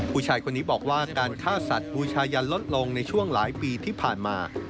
ผู้ชายคนนี้บอกว่าการฆ่าสัตว์บูชายันลดลงในช่วงหลายปีที่ผ่านมา